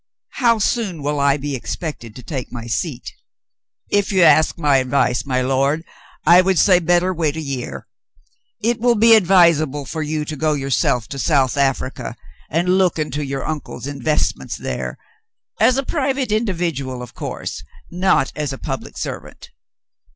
How soon will I be expected to take my seat .^" "If you ask my advice, my lord, I would say better wait a year. It will be advisable for you to go yourself to South Africa and look into your uncle's investments there — as a private individual, of course, not as a public servant.